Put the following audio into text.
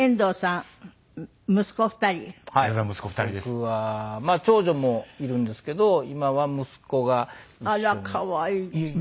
僕はまあ長女もいるんですけど今は息子が一緒に。